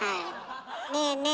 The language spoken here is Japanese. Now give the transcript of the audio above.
ねえねえ